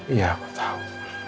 iya aku tahu